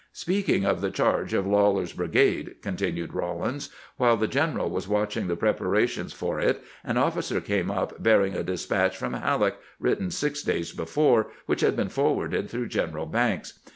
" Speaking of the charge of Lawler's brigade," con tinued Eawlins, " while the general was watching the preparations for it an officer came up bearing a despatch from Halleck, written six days before, which had been forwarded through General Banks.